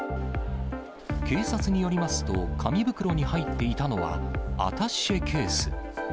警察によりますと、紙袋に入っていたのは、アタッシェケース。